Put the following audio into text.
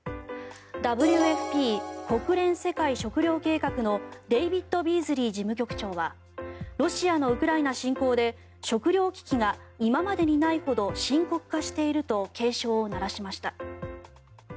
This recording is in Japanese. ＷＦＰ・国連世界食糧計画のデイビッド・ビーズリー事務局長はロシアのウクライナ侵攻で食料危機が今までにないほど深刻化していると警鐘を鳴らしました。